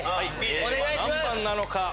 お願いします！